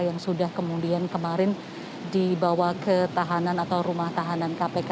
yang sudah kemudian kemarin dibawa ke tahanan atau rumah tahanan kpk